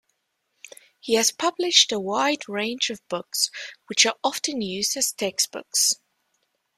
He has published a wide range of books, which are often used as textbooks.